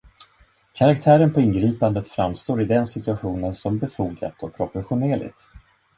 Karaktären på ingripandet framstår i den situationen som befogat och proportionerligt.